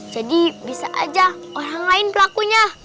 jadi bisa aja orang lain pelakunya